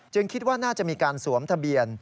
คิดว่าน่าจะมีการสวมทะเบียน